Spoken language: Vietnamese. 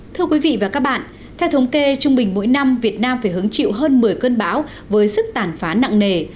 thưa quý vị và các bạn theo thống kê trung bình mỗi năm việt nam phải hứng chịu hơn một mươi cơn bão với sức tàn phá nặng nề